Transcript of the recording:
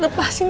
lepas ya pak